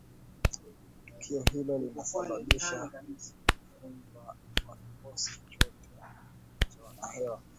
Tukio hilo lilisababisha kuvunjwa kwa kikosi chote cha wanahewa